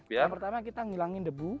yang pertama kita ngilangin debu